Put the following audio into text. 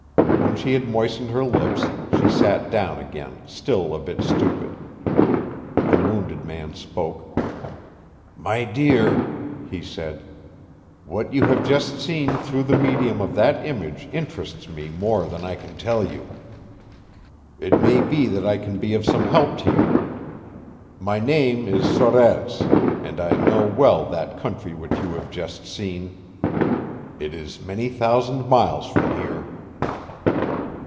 When she had moistened her lips, she sat down again still a bit stupid. The wounded man spoke. "My dear," he said, "what you have just seen through the medium of that image interests me more than I can tell you. It may be that I can be of some help to you. My name is Sorez and I know well that country which you have just seen. It is many thousand miles from here."